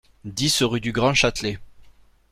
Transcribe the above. dix rue du Grand Châtelet